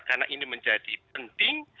karena ini menjadi penting